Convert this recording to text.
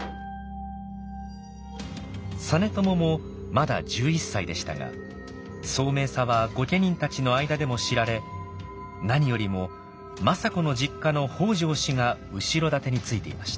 実朝もまだ１１歳でしたが聡明さは御家人たちの間でも知られ何よりも政子の実家の北条氏が後ろ盾についていました。